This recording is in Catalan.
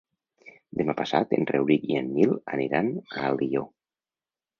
Demà passat en Rauric i en Nil aniran a Alió.